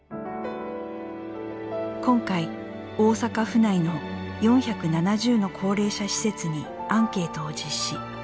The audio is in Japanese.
今回、大阪府内の４７０の高齢者施設にアンケートを実施。